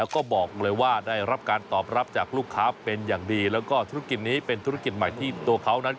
ครับก็ตอนแรกเลยก็คือเหมือนทำส่งกันเองครับทำส่งของเองคือจำนวนม่อมันน้อย